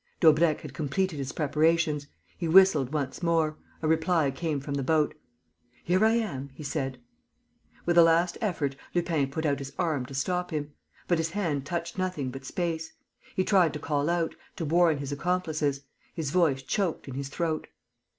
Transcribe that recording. Daubrecq had completed his preparations. He whistled once more. A reply came from the boat. "Here I am," he said. With a last effort, Lupin put out his arm to stop him. But his hand touched nothing but space. He tried to call out, to warn his accomplices: his voice choked in his throat.